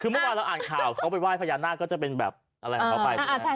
คือเมื่อวานเราอ่านข่าวเขาไปไหว้พญานาคก็จะเป็นแบบอะไรของเขาไป